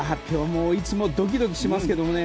もういつもドキドキしますけどね。